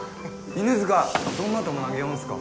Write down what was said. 犬塚どんな球投げよんすか？